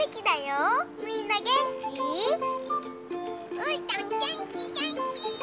うーたんげんきげんき！